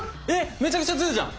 めちゃくちゃ強いじゃん！